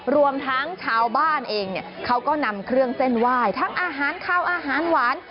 รวมทั้งชาวบ้านเองเนี่ยเขาก็นำเครื่องเส้นไหว้ทั้งอาหารข้าวอาหารหวาน